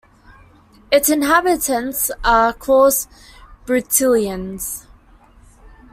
Its inhabitants are calles "Brituliens".